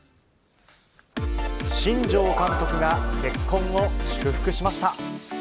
新庄監督が結婚を祝福しまし